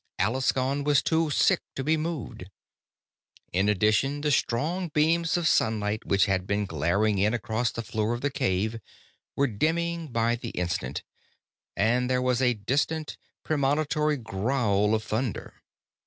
Alaskon was too sick to be moved. In addition, the strong beams of sunlight which had been glaring in across the floor of the cave were dimming by the instant, and there was a distant, premonitory growl of thunder.